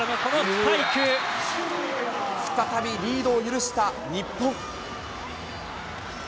再びリードを許した日本。